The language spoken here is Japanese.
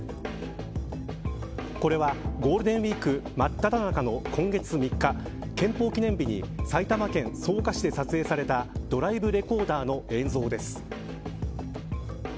これはゴールデンウイークまっただ中の今月３日憲法記念日に、埼玉県草加市で撮影されたドライブレコーダーの映像です。